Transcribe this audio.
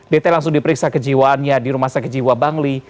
dt langsung diperiksa kejiwaannya di rumah sakejiwa bangli